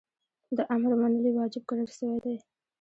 د امر منل یی واجب ګڼل سوی دی .